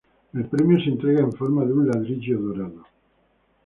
El premio se entrega en forma de un ladrillo dorado.